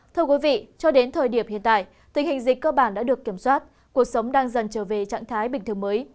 thưa quý vị cho đến thời điểm hiện tại tình hình dịch cơ bản đã được kiểm soát cuộc sống đang dần trở về trạng thái bình thường mới